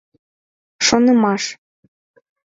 Шонымаш